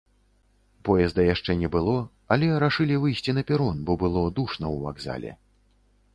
Поезда яшчэ не было, але рашылі выйсці на перон, бо было душна ў вакзале.